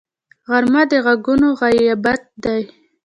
غرمه د غږونو غیابت دی